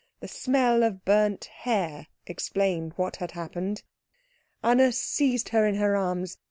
The smell of burnt hair explained what had happened. Anna seized her in her arms.